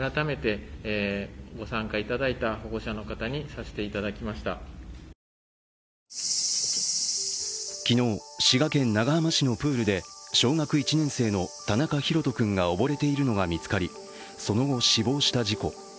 そして、終了後行われた会見では昨日、滋賀県長浜市のプールで小学１年生の田中大翔君が溺れているのが見つかり、その後、死亡した事故。